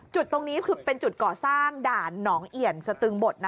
จุดตรงนี้คือเป็นจุดก่อสร้างด่านหนองเอี่ยนสตึงบท